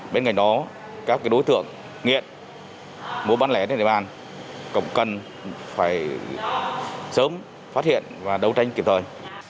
bên cạnh đó các đối tượng nghiện muốn bắn lẻ đến địa bàn cần phải sớm phát hiện và đấu tranh kịp thời